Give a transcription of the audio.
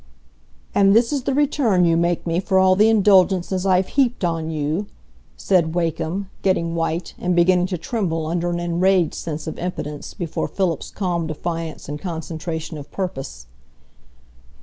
"And this is the return you make me for all the indulgences I've heaped on you?" said Wakem, getting white, and beginning to tremble under an enraged sense of impotence before Philip's calm defiance and concentration of purpose.